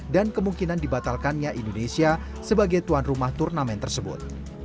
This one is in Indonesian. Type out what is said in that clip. dan kemungkinan dibatalkannya indonesia sebagai tuan rumah turnamen tersebut